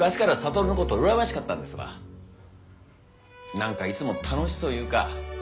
何かいつも楽しそういうか。